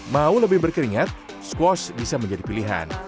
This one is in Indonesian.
mau lebih berkeringat squash bisa menjadi pilihan